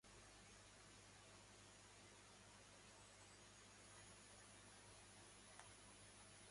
چهرههای جنگزدهی کودکان